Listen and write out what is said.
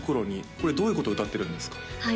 これどういうことを歌ってるんですか？